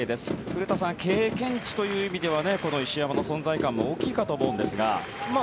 古田さん、経験値という意味ではこの石山の存在感も大きいかと思うんですが。